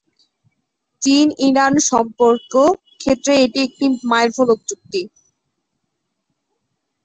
চীন-ইরান সম্পর্ক ক্ষেত্রে এটি একটি মাইলফলক চুক্তি।